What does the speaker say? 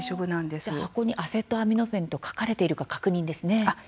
じゃあ、箱にアセトアミノフェンと書かれているか、確認ですね。